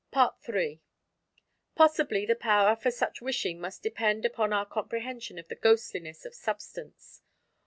III Possibly the power for such wishing must depend upon our comprehension of the ghostliness of substance.